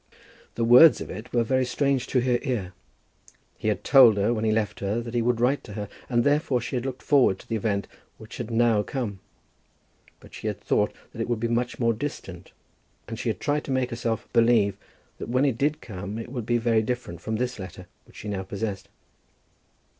The words of it were very strange to her ear. He had told her when he left her that he would write to her, and therefore she had looked forward to the event which had now come; but she had thought that it would be much more distant, and she had tried to make herself believe that when it did come it would be very different from this letter which she now possessed.